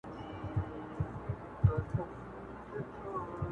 نو هغه به حقیقت خوب څنګه ویني